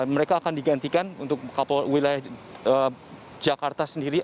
mereka akan digantikan untuk wilayah jakarta sendiri